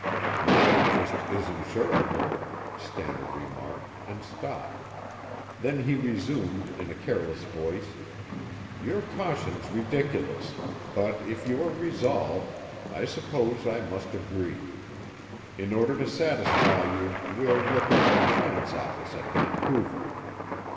"My interest is insurable " Stannard remarked and stopped. Then he resumed in a careless voice: "Your caution's ridiculous, but if you are resolved, I suppose I must agree. In order to satisfy you, we'll look up an insurance office at Vancouver."